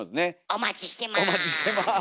お待ちしてます。